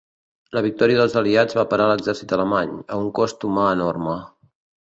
La victòria dels aliats va parar l'exèrcit alemany, a un cost humà enorme.